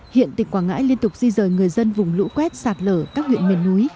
hiện tỉnh quảng ngãi liên tục di rời người dân vùng lũ quét sạt lở các huyện miền núi